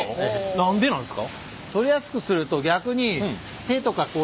何でなんすか？